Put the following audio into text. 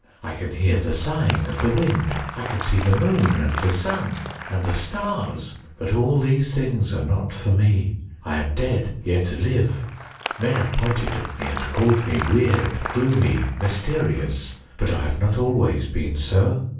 I can hear the sighing of the wind ; I can see the moon, and the sun, and the stars ; but all these things are not for me. I am dead yet live. Men have pointed at me, and called me weird, gloomy, mysterious. But I have not always been so.